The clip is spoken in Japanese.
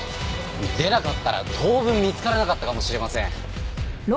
でなかったら当分見つからなかったかもしれません。